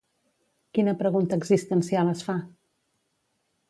Quina pregunta existencial es fa?